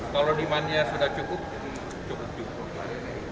kalau demand nya sudah cukup cukup cukup